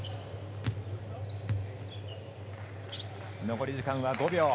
残り時間は５秒。